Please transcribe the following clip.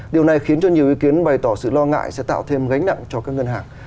điều này khiến cho nhiều ý kiến bày tỏ sự lo ngại sẽ tạo thêm gánh nặng cho các ngân hàng